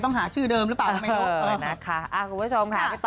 ก็น่ารักดี